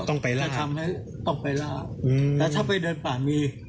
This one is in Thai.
ต้องไปล่าทำให้ต้องไปล่าแล้วถ้าไปเดินป่ามี